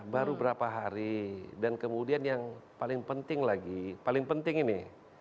baru berapa hari dan kemudian yang paling penting lagi paling penting ini